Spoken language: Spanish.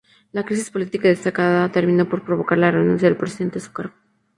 La crisis política desatada termina por provocar la renuncia del Presidente a su cargo.